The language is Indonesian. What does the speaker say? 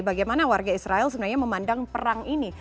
bagaimana warga israel sebenarnya memandang perang ini